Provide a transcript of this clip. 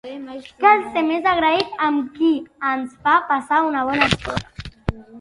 Cal ser més agraït amb qui ens fa passar una bona estona.